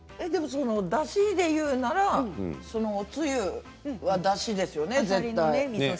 だしで言うならつゆはだしですよね絶対。